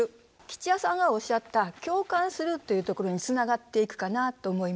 吉弥さんがおっしゃった「共感する」というところにつながっていくかなと思います。